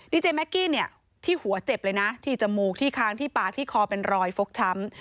ดีเจแม็กกี้เนี่ยที่หัวเจ็บเลยนะที่จมูกที่ค้างที่ปากที่คอเป็นรอยฟกช้ำ